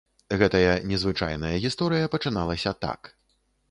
Гэта я незвычайная гісторыя пачыналася так.